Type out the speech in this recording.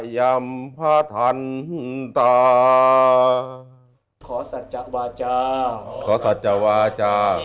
ได้ตั้งสัตว์ถวาย